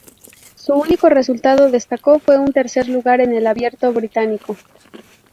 Su único resultado destacado fue un tercer lugar en el Abierto Británico.